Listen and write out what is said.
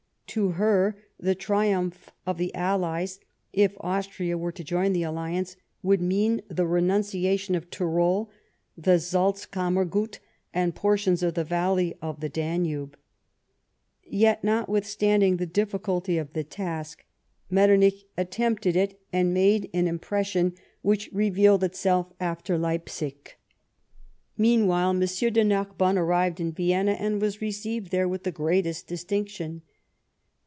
To her the triumph of the allies, if Austria were to join the alliance, would mean the renunciation of Tirol, the Salzkammero ut, and portions of the valley of the Danube. Yet, notwith standing the difl[iculty of the task, Metternich attempted 92 LIFE OF PBINCE METTEBNICR. it, and made an impression which revealed itself after Leipsig .* Meanwhile, M. de Narbonne arrived in Vienna, and was received there with the greatest distinction.